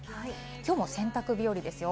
今日も洗濯日和ですよ。